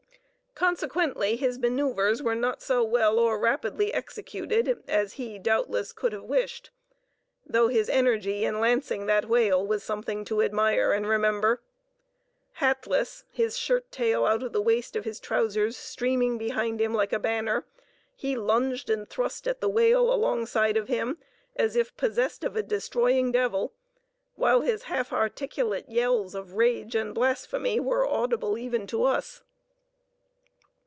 Consequently his manœuvres were not so well or rapidly executed as he, doubtless, could have wished, although his energy in lancing that whale was something to admire and remember. Hatless, his shirt tail out of the waist of his trousers streaming behind him like a banner, he lunged and thrust at the whale alongside of him as if possessed of a destroying devil, while his half articulate yells of rage and blasphemy were audible even to us.